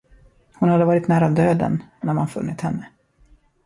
Hon hade varit nära döden, när man funnit henne.